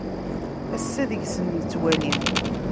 Ass-a deg-sen nettwali.